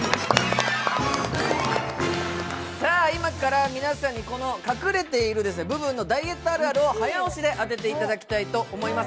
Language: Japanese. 今から皆さんに、隠れている部分のダイエットあるあるを早押しで当てていただきたいと思います。